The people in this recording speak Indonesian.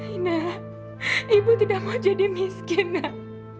ina ibu tidak mau jadi miskin nak